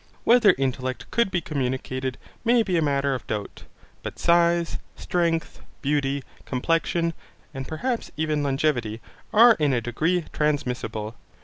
Whether intellect could be communicated may be a matter of doubt: but size, strength, beauty, complexion, and perhaps even longevity are in a degree transmissible.